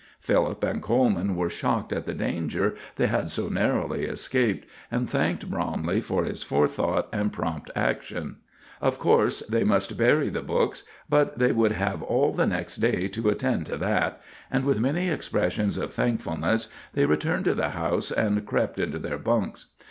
Philip and Coleman were shocked at the danger they had so narrowly escaped, and thanked Bromley for his forethought and prompt action. Of course they must bury the books, but they would have all of the next day to attend to that; and with many expressions of thankfulness they returned to the house and crept into their bunks.